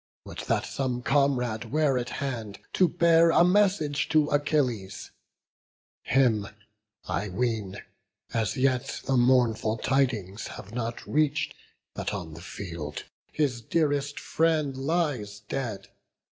Would that some comrade were at hand, to bear A message to Achilles; him, I ween, As yet the mournful tidings have not reach'd, That on the field his dearest friend lies dead.